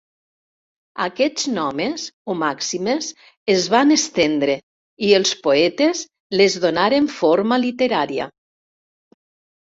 Aquestes gnomes o màximes es van estendre i els poetes les donaren forma literària.